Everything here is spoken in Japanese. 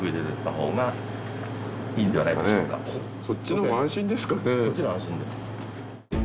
そっちの方が安心です。